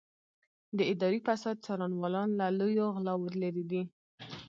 د اداري فساد څارنوالان له لویو غلاوو لېرې دي.